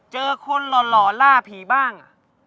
เจอคนหล่อล่าผีบ้าง